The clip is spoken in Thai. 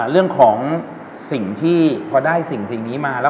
เรื่องของพอได้สิ่งนี้มา